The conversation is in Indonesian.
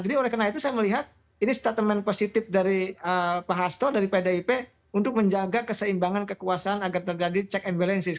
jadi oleh karena itu saya melihat ini statement positif dari pak hasto dari pdip untuk menjaga keseimbangan kekuasaan agar terjadi check and balances